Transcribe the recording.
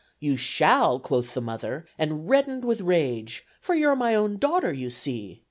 "You shall," quoth the mother, and reddened with rage, "For you're my own daughter, you see.